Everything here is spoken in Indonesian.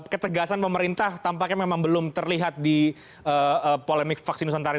ketegasan pemerintah tampaknya memang belum terlihat di polemik vaksin nusantara